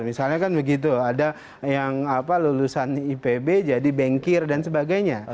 misalnya kan begitu ada yang lulusan ipb jadi bengkir dan sebagainya